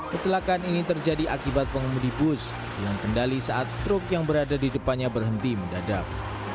kecelakaan ini terjadi akibat pengemudi bus yang kendali saat truk yang berada di depannya berhenti mendadak